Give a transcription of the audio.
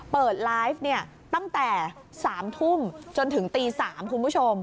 เปิดไลฟ์เนี่ยตั้งแต่๓ทุ่มจนถึงตี๓คุณผู้ชม